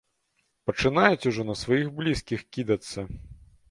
Пачынаюць ужо на сваіх блізкіх кідацца.